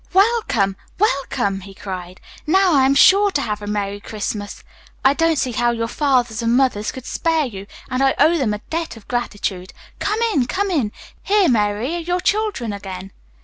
"Welcome, welcome!" he cried. "Now I am sure to have a Merry Christmas. I don't see how your fathers and mothers could spare you, and I owe them a debt of gratitude. Come in, come in. Here, Mary, are your children again."